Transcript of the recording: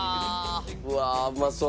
うわあうまそう。